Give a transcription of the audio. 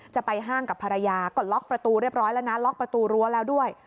จะไปห้างกับภรรยาก็ล็อกประตูเรียบร้อยแล้วนะล็อกประตูรั้วแล้วด้วย